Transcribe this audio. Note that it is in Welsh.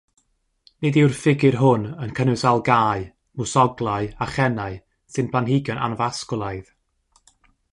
Nid yw'r ffigur hwn yn cynnwys algâu, mwsoglau a chennau, sy'n blanhigion anfasgwlaidd.